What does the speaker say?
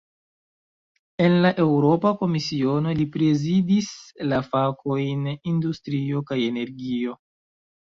En la Eŭropa Komisiono, li prezidis la fakojn "industrio kaj energio".